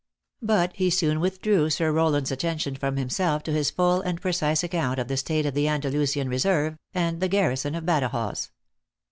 But he soon withdrew Sir Row land s attention from himself to his full and precise account of the state of the Andalusian reserve, and the garrison of Badajoz.